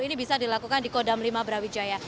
ini bisa dilakukan di kodam lima brawijaya